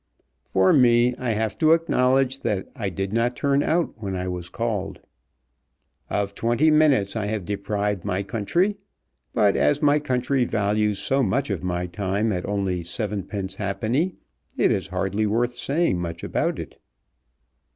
"For me, I have to acknowledge that I did not turn out when I was called. Of twenty minutes I have deprived my country; but as my country values so much of my time at only seven pence halfpenny, it is hardly worth saying much about it."